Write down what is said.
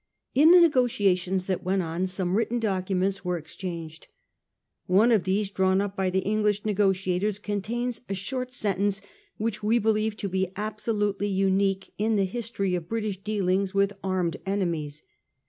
In the negotiations that went on some written documents were ex changed. One of these, drawn up by the English negotiators, contains a short sentence which we be lieve to be absolutely unique in the history of British dealings with armed enemies.